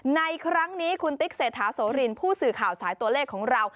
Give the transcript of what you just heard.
ในครั้งนี้คุณติ๊กเศรษฐาโสรินผู้สื่อข่าวสายตัวเลขของเรา